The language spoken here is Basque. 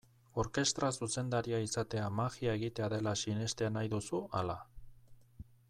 Orkestra zuzendaria izatea magia egitea dela sinestea nahi duzu, ala?